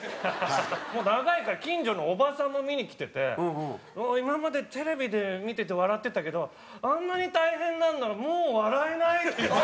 もう長いから近所のおばさんも見に来てて「今までテレビで見てて笑ってたけどあんなに大変ならもう笑えない」って。